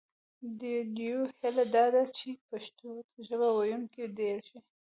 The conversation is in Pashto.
د ډیوې هیله دا ده چې پښتو ژبه ویونکي ډېر شي